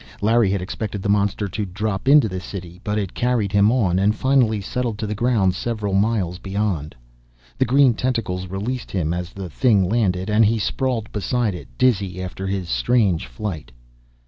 Larry had expected the monster to drop into the city. But it carried him on, and finally settled to the ground several miles beyond. The green tentacles released him, as the thing landed, and he sprawled beside it, dizzy after his strange flight.